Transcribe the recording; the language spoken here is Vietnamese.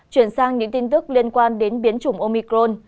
chuyển sang những tin tức liên quan đến biến chủng omicron